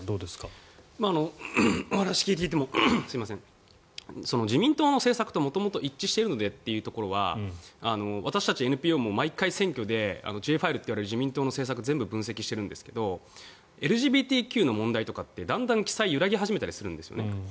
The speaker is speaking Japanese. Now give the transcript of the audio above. お話を聞いていても自民党の政策と元々一致しているのでというところでは私たちＮＰＯも毎回、選挙で自民党の政策を全部チェックしているんですがＬＧＢＴＱの問題とかってだんだん記載が揺らぎ始めたりするんですね。